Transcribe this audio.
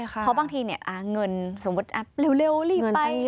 เพราะบางทีเนี่ยเงินสมมติเร็วรีบไป